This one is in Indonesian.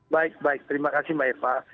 baik baik terima kasih mbak eva